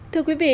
thưa quý vị